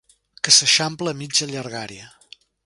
Que s'eixampla a mitja llargària.